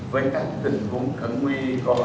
với các tình huống khẩn nguy cơ